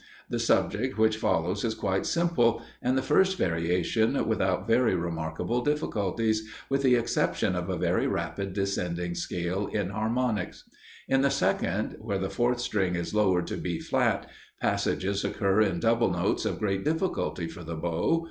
The subject which follows is quite simple, and the first variation without very remarkable difficulties, with the exception of a very rapid descending scale in harmonics. In the second, where the fourth string is lowered to B flat, passages occur in double notes of great difficulty for the bow.